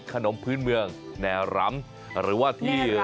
ขนมพื้นเมืองแนวรำหรือว่าที่